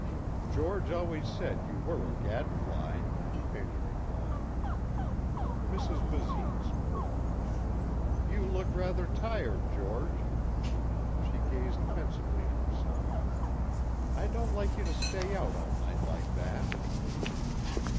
"George always said you were a gadfly," Fanny replied. Mrs. Basine spoke. "You look rather tired, George." She gazed pensively at her son. "I don't like you to stay out all night like that."